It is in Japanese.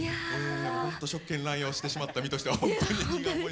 本当、職権乱用してしまった身としては。